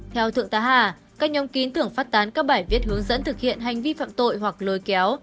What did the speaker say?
theo thượng tá hà các nhóm kín tưởng phát tán các bài viết hướng dẫn thực hiện hành vi phạm tội hoặc lôi kéo